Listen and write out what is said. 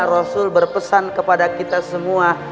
rasul berpesan kepada kita semua